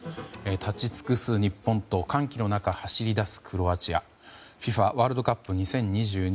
立ち尽くす日本と歓喜の中、走り出すクロアチア。ＦＩＦＡワールドカップ２０２２。